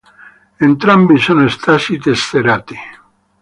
Entrambi sono stati tesserati.